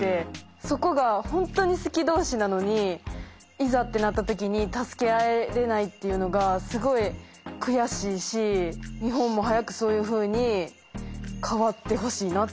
そこが本当に好き同士なのにいざってなった時に助け合えれないっていうのがすごい悔しいし日本も早くそういうふうに変わってほしいなって